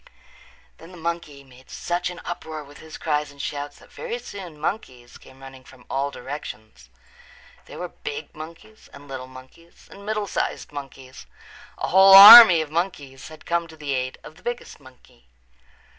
Then the monkey made such an uproar with his cries and shouts that very soon monkeys came running from all directions. There were big monkeys and little monkeys and middle sized monkeys. A whole army of monkeys had come to the aid of the biggest monkey.